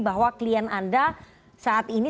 bahwa klien anda saat ini